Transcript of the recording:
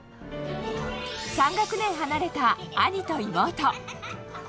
３学年離れた兄と妹。